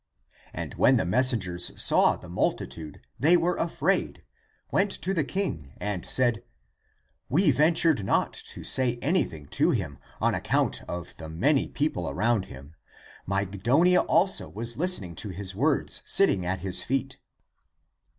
And when the messengers saw the multitude they were afraid, went to the king, and said, " We ven tured not to say anything to him on account of the many people around him ; Mygdonia also was listen ing to his words, sitting at his feet."